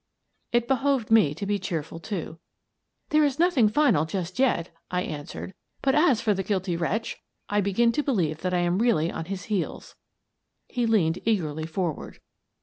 It behoved me to be cheerful, too. "There is nothing final just yet," I answered, "but as for the guilty wretch, I begin to believe that I am really on his heels." He leaned eagerly forward.